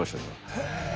へえ。